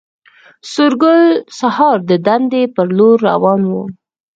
سورګل سهار د دندې پر لور روان و